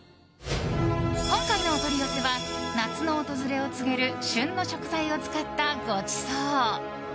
今回のお取り寄せは夏の訪れを告げる旬の食材を使ったごちそう。